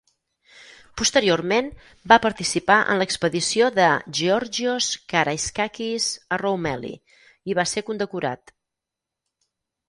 Posteriorment, va participar en l'expedició de Georgios Karaiskakis a Roumeli, i va ser condecorat.